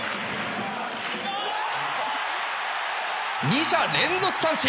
２者連続三振！